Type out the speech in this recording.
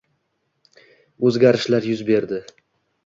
o‘zgarishlar yuz berdi.